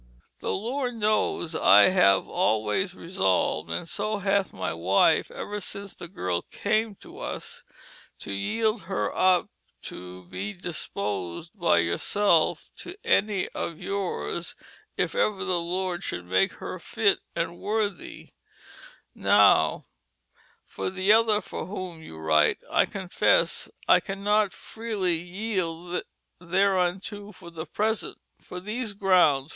"The Lord knows I have alwais resolved (and so hath my wife ever since the girl came to vs) to yielde her vp to be disposed by yourself to any of yours if ever the Lord should make her fitt and worthie. "Now for the other for whom you writt. I confesse I cannot freelie yeald thereunto for the present, for these grounds.